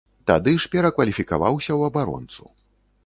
Тады ж перакваліфікаваўся ў абаронцу.